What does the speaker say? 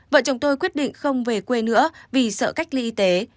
vợ chồng tôi quyết định không về quê nữa vì sợ cách ly y tế